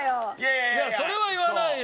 いやそれは言わないよ。